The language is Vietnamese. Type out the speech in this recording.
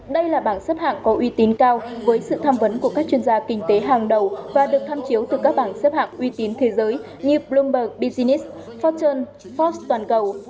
đây là bảng xếp hạng có uy tín cao với sự tham vấn của các chuyên gia kinh tế hàng đầu và được tham chiếu từ các bảng xếp hạng uy tín thế giới như bloomberg business fortune forbes toàn cầu